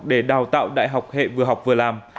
để đào tạo đại học hệ vừa học vừa làm